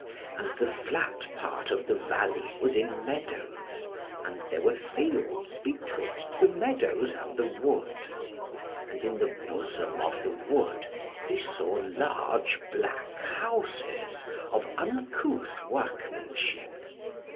And the flat part of the valley was in meadows, and there were fields betwixt the meadows and the wood. And in the bosom of the wood he saw large black houses, of uncouth workmanship.